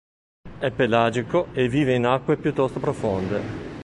È pelagico e vive in acque piuttosto profonde.